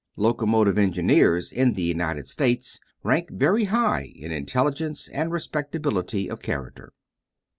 Locomotive engineers in the United States rank very high in intelligence and respectability of character.